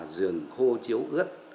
giường khô chiếu ướt